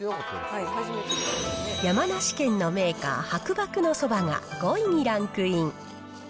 山梨県のメーカー、はくばくのそばが５位にランクイン。